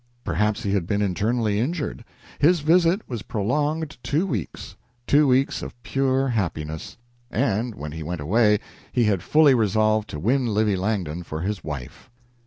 Perhaps he had been internally injured. His visit was prolonged two weeks, two weeks of pure happiness, and when he went away he had fully resolved to win Livy Langdon for his wife.